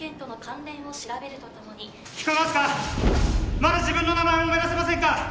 まだ自分の名前思い出せませんか？